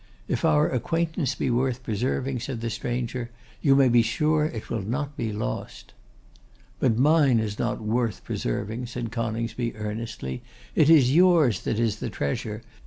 'If our acquaintance be worth preserving,' said the stranger, 'you may be sure it will not be lost.' 'But mine is not worth preserving,' said Coningsby, earnestly. 'It is yours that is the treasure.